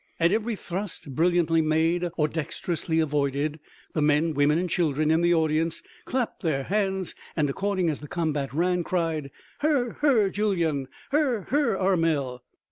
At every thrust, brilliantly made, or dexterously avoided, the men, women and children in the audience clapped their hands, and according as the combat ran, cried: "Her ... her ... Julyan!" "Her ... her ... Armel!"